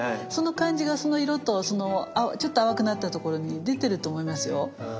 その感じがその色とそのちょっと淡くなったところに出てると思いますよ。